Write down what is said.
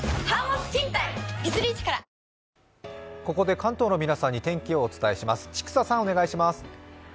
ここで関東の皆さんに天気をお伝えします。